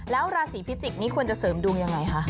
แล้วราศีพิจิกษ์นี้ควรจะเสริมดวงยังไงคะ